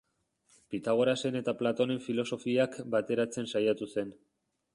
Pitagorasen eta Platonen filosofiak bateratzen saiatu zen.